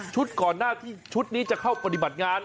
ก่อนหน้าที่ชุดนี้จะเข้าปฏิบัติงาน